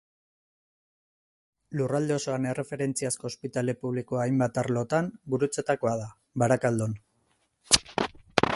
Lurralde osoan erreferentziazko ospitale publikoa hainbat arlotan Gurutzetakoa da, Barakaldon.